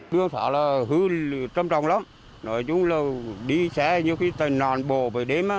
mưa thả là hư trầm trọng lắm nói chung là đi xe như khi tài nòn bồ bởi đêm á